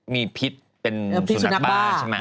มีพิษเป็นสุนัขบ้า